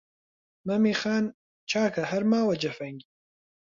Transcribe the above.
«مەمی خان» چاکە هەر ماوە جەفەنگی